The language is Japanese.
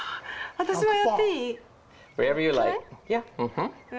私もやっていい？